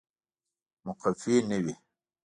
مقفي نه وي